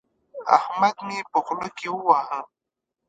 احمد مې په خوله کې وواهه.